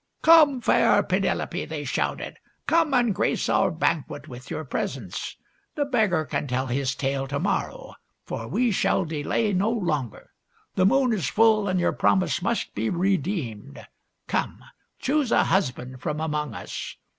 " Come, fair Penelope !" they *%houted. " Come and grace our banquet with your presence. The beggar can tell his tale to morrow, for we shall delay no longer. The moon is full, and your promise must be redeemed. Come ! choose a husband from among us.